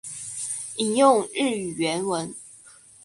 引用日语原文